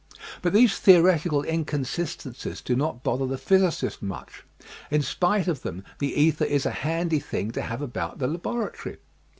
But these theoretical inconsis tencies do not bother the physicist much. In spite of them the ether is a handy thing to have about the laboratory.